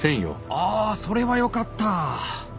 ああそれはよかった！